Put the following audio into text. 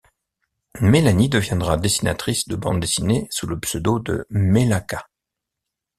Mélanie deviendra dessinatrice de bande dessinée sous le pseudo de Mélaka.